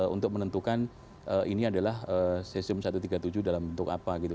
untuk menentukan ini adalah cesium satu ratus tiga puluh tujuh dalam bentuk apa gitu